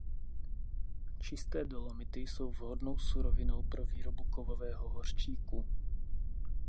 Čisté dolomity jsou vhodnou surovinou pro výrobu kovového hořčíku.